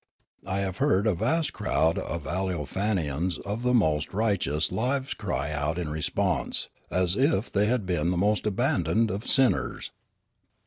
I have heard a vast crowd of Aleofanians of the most righteous lives cry out in response, as if they had been the most abandoned of sinners.